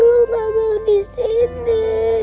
lu tak mau di sini